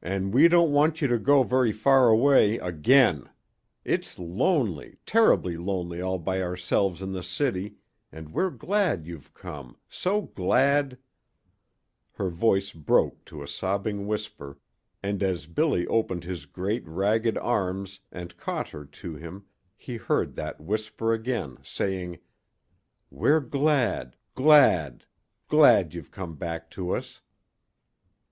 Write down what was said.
And we don't want you to go very far away again. It's lonely terribly lonely all by ourselves in the city and we're glad you've come so glad " Her voice broke to a sobbing whisper, and as Billy opened his great, ragged arms and caught her to him he heard that whisper again, saying, "We're glad glad glad you've come back to us."